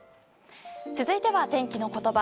続いては、天気のことば。